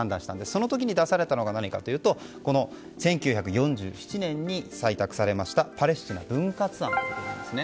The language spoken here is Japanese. その時に出されたのが１９４７年に採択されましたパレスチナ分割案なんですね。